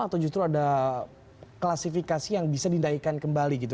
atau justru ada klasifikasi yang bisa dinaikkan kembali gitu